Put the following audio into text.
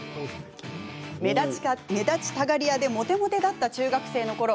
目立ちたがり屋でモテモテだった中学生のころ